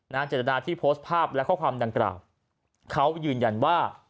เจตนาที่โพสต์ภาพและข้อความดังกล่าวเขายืนยันว่า